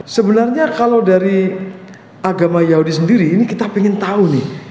sebenarnya kalau dari agama yahudi sendiri ini kita ingin tahu nih